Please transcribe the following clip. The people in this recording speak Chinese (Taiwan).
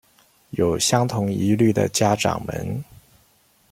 有相同疑慮的家長們